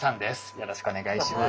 よろしくお願いします。